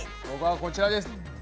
僕はこちらです。